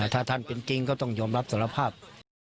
ถ้าท่านเป็นจริงก็ต้องยอมรับสารภาพ